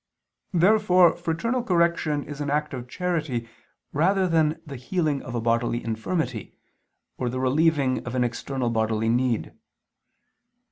Therefore fraternal correction is an act of charity rather than the healing of a bodily infirmity, or the relieving of an external bodily need.